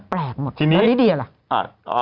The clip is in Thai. แปลกหมดแล้วลีเดียล่ะ